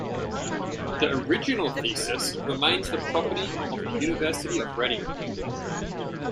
The original thesis remains the property of the University of Reading.